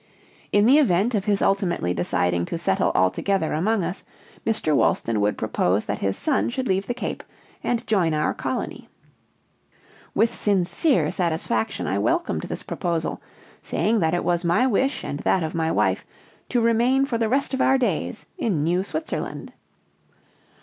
In the event of his ultimately deciding to settle altogether among us, Mr. Wolston would propose that his son should leave the Cape, and join our colony. With sincere satisfaction I welcomed this proposal, saying that it was my wish and that of my wife to remain for the rest of our days in New Switzerland.